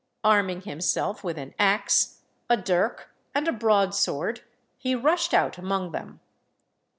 Arming himself with an axe, a dirk, and a broadsword, he rushed out among them.